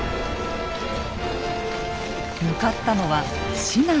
向かったのは信濃。